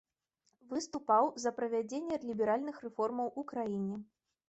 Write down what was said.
Выступаў за правядзенне ліберальных рэформаў у краіне.